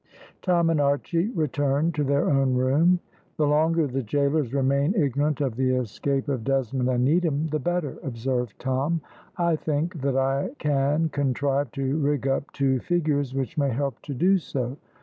Tom and Archy returned to their own room. "The longer the gaolers remain ignorant of the escape of Desmond and Needham the better," observed Tom. "I think that I can contrive to rig up two figures which may help to do so.